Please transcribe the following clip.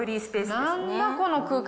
なんだ、この空間。